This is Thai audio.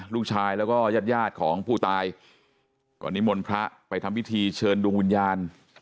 ลูกชายแล้วก็ญาติยาดของผู้ตายก่อนนิมนต์พระไปทำพิธีเชิญดวงวิญญาณ